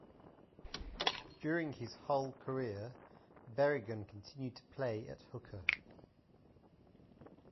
During his Hull career Berrigan continued to play at hooker.